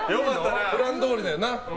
プランどおりだもんな。